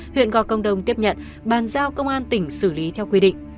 huyện gò công đông tiếp nhận bàn giao công an tỉnh xử lý theo quy định